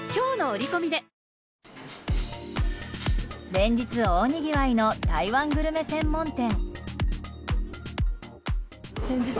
連日、大にぎわいの台湾グルメ専門店。